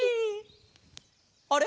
あれ？